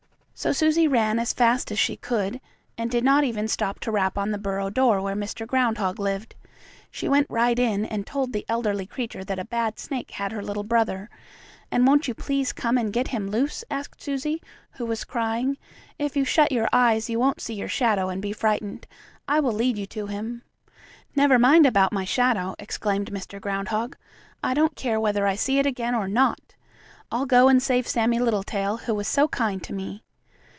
So Susie ran as fast as she could, and did not even stop to rap on the burrow door where Mr. Groundhog lived. She went right in, and told the elderly creature that a bad snake had her little brother. "And won't you please come and get him loose?" asked Susie, who was crying. "If you shut your eyes you won't see your shadow, and be frightened. I will lead you to him." "Never mind about my shadow!" exclaimed Mr. Groundhog. "I don't care whether I see it again or not. I'll go and save Sammie Littletail, who was so kind to me."